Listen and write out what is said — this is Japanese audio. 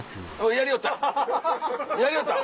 やりよった！